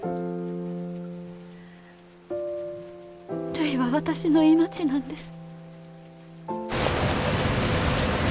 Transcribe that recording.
るいは私の命なんです。